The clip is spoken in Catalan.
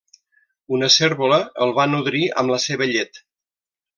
Una cérvola el va nodrir amb la seva llet.